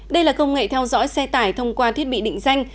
đây là công nghệ theo dõi xe tải thông qua thiết bị định danh